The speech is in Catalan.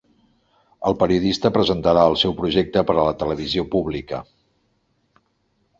El periodista presentarà el seu projecte per a la televisió pública.